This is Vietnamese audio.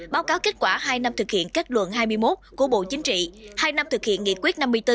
báo cáo kết quả hai năm thực hiện kết luận hai mươi một của bộ chính trị hai năm thực hiện nghị quyết năm mươi bốn